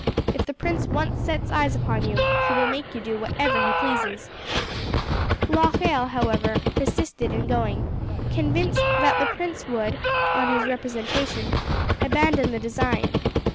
"If the prince once sets eyes upon you, he will make you do whatever he pleases." Locheil, however, persisted in going, convinced that the prince would, on his representation, abandon the design.